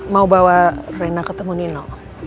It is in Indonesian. mau bawa rena ketemu nino